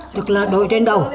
tức là đổi trên đầu